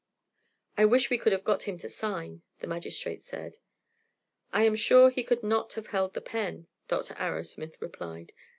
"I wish we could have got him to sign," the magistrate said. "I am sure he could not have held the pen," Dr. Arrowsmith replied.